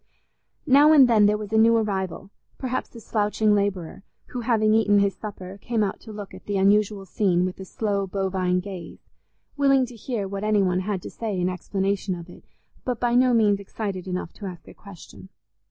Now and then there was a new arrival; perhaps a slouching labourer, who, having eaten his supper, came out to look at the unusual scene with a slow bovine gaze, willing to hear what any one had to say in explanation of it, but by no means excited enough to ask a question.